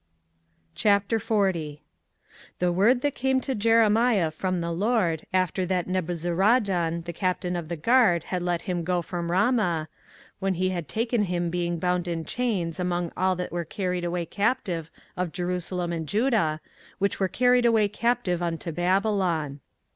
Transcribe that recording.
24:040:001 The word that came to Jeremiah from the LORD, after that Nebuzaradan the captain of the guard had let him go from Ramah, when he had taken him being bound in chains among all that were carried away captive of Jerusalem and Judah, which were carried away captive unto Babylon.